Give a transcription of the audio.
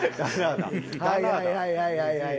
はいはいはいはい。